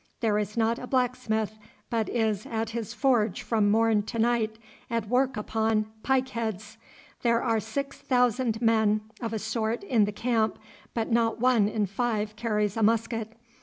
There is not a blacksmith but is at his forge from morn to night at work upon pike heads. There are six thousand men of a sort in the camp, but not one in five carries a musket.